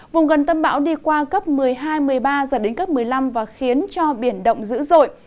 vùng gần tâm bão đi qua cấp một mươi hai một mươi ba giật đến cấp một mươi năm và khiến cho biển động dữ dội